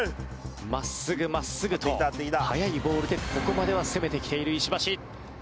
真っすぐ真っすぐと速いボールでここまでは攻めてきている石橋。